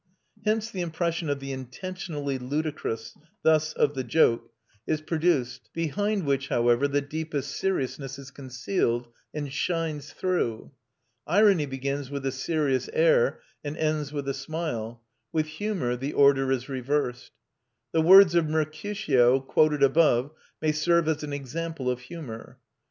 Hence the impression of the intentionally ludicrous, thus of the joke, is produced, behind which, however, the deepest seriousness is concealed and shines through. Irony begins with a serious air and ends with a smile; with humour the order is reversed. The words of Mercutio quoted above may serve as an example of humour.